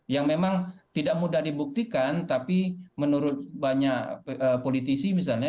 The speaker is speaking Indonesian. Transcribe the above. yang memang tidak mudah dibuktikan tapi menurut banyak politisi misalnya